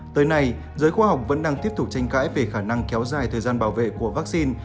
tới nay giới khoa học vẫn đang tiếp tục tranh cãi về khả năng kéo dài thời gian bảo vệ của vaccine